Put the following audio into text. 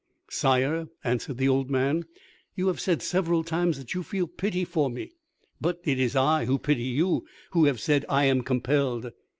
"Sire," answered the old man, "you have said several times that you feel pity for me; but it is I who pity you, who have said, 'I am compelled.'